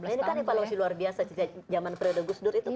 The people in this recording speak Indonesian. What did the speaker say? ini kan evaluasi luar biasa jaman periode gus dur itu kan